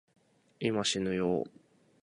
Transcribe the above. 今、しぬよぉ